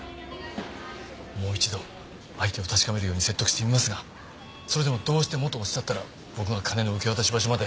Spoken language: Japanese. もう一度相手を確かめるように説得してみますがそれでもどうしてもとおっしゃったら僕が金の受け渡し場所まで。